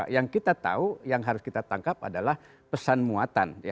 yang kita tahu yang harus kita tangkap adalah pesan muatan